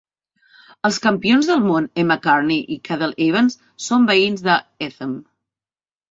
Els campions del món Emma Carney i Cadel Evans són veïns d'Etham.